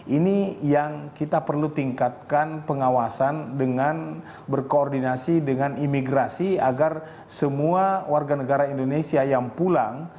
ini yang kita perlu tingkatkan pengawasan dengan berkoordinasi dengan imigrasi agar semua warga negara indonesia yang pulang